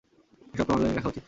এসব তো অনলাইনে রাখা উচিত।